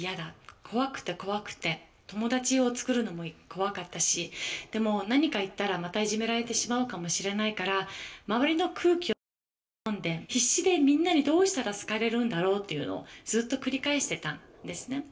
怖くて怖くて友達をつくるのも怖かったし何か言ったらまたいじめられてしまうかもしれないから周りの空気をとにかく読んで必死でみんなにどうしたら好かれるんだろうっていうのをずっと繰り返してたんですね。